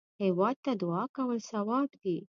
هېواد ته دعا کول ثواب دی